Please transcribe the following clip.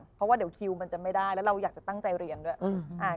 เพราะว่าเดี๋ยวคิวมันจะไม่ได้แล้วเราอยากจะตั้งใจเรียนด้วย